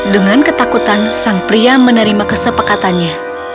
dengan ketakutan sang pria menerima kesepakatannya